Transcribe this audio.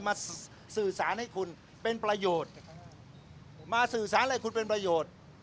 มาสื่อสารให้คุณเป็นประโยชน์มาสื่อสารอะไรคุณเป็นประโยชน์